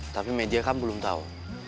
tapi media kan belum tahu